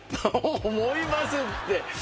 「思います」って。